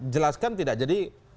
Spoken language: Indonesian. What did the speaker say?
jelaskan tidak jadi